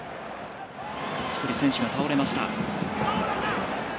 １人、選手が倒れました。